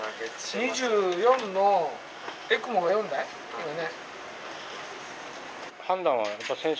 ２４のＥＣＭＯが４台いるね。